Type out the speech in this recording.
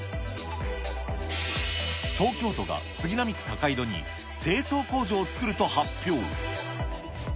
東京都が杉並区高井戸に清掃工場を作ると発表。